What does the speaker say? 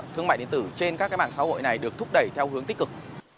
thương mại điện tử trên các mạng xã hội này được thúc đẩy theo hướng tích cực